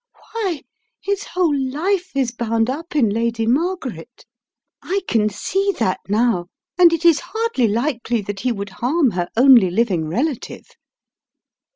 Why, his whole life is bound up in Lady Margaret! I can see that now, and it is hardly likely that he would harm her only living relative